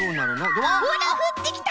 ほらふってきた！